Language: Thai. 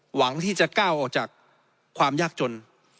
หวังที่จะก้าวออกจากความยากจน